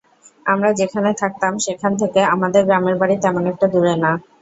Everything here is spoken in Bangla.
আমরা যেখানে থাকতাম সেখান থেকে আমাদের গ্রামের বাড়ি তেমন একটা দূরে না।